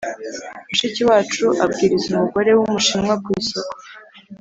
Mushiki wacu abwiriza umugore w Umushinwa ku isoko